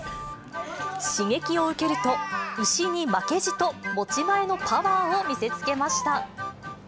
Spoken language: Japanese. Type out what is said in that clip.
刺激を受けると、牛に負けじと持ち前のパワーを見せつけました。